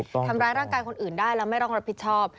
ทำร้ายร่างกายคนอื่นได้แล้วไม่ต้องรับผิดชอบ